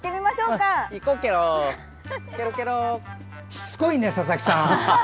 しつこいね、佐々木さん。